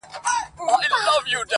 o څوری څه په نس څه په څنگ!